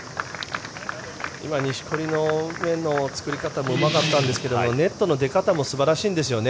今、錦織の面の作り方もうまかったんですけれどもネットの出方も素晴らしいんですよね。